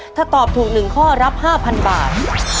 ถ้าตอบถูก๑ข้อรับ๕๐๐บาท